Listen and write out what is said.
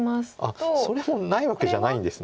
あっそれもないわけじゃないんです。